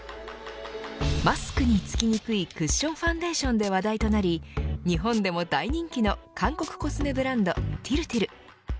マスクにつきにくいクッションファンデーションで話題となり日本でも大人気の韓国コスメブランドＴＩＲＴＩＲ。